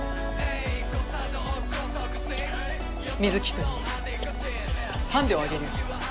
水城君ハンデをあげるよ。